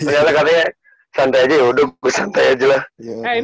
jadi katanya santai aja yaudah gue santai aja lah